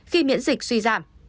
khi miễn dịch suy giảm